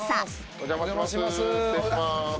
お邪魔します。